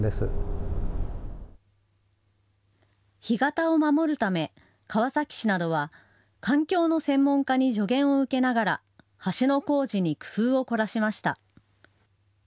干潟を守るため川崎市などは環境の専門家に助言を受けながら橋の工事に工夫を凝らしました。